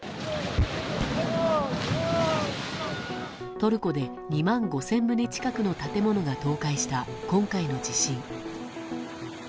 トルコで２万５０００棟近くの建物が倒壊した今回の地震。